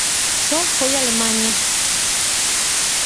Só foi Alemaña.